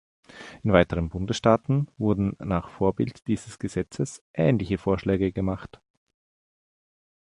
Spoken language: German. In weiteren Bundesstaaten wurden nach Vorbild dieses Gesetzes ähnliche Vorschläge gemacht.